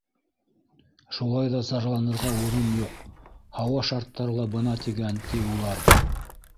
Шулай ҙа зарланырға урын юҡ, һауа шарттары ла бына тигән, ти улар.